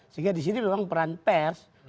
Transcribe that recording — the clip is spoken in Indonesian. sehingga di sini memang peran pers